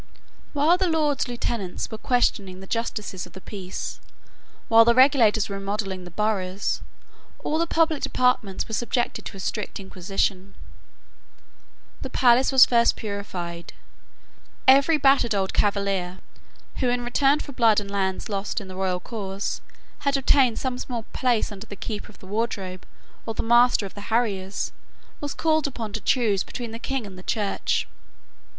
While the Lords Lieutenants were questioning the justices of the Peace, while the regulators were remodelling the boroughs, all the public departments were subjected to a strict inquisition. The palace was first purified. Every battered old Cavalier, who, in return for blood and lands lost in the royal cause, had obtained some small place under the Keeper of the Wardrobe or the Master of the Harriers, was called upon to choose between the King and the Church.